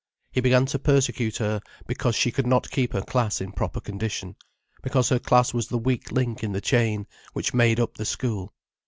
He began to persecute her because she could not keep her class in proper condition, because her class was the weak link in the chain which made up the school.